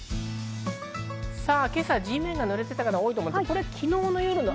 今朝、地面が濡れていた方多いと思います。